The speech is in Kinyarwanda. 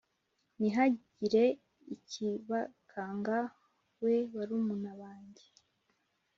Ntihagire ikibakanga we barumuna banjye